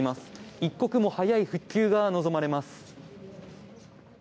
一刻も早い復旧が望まれます。